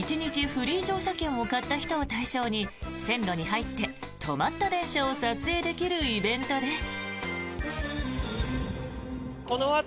フリー乗車券を買った人を対象に線路に入って止まった電車を撮影できるイベントです。